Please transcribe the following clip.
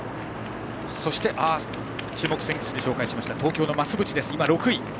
そして注目選手で紹介しました東京の増渕が今、６位。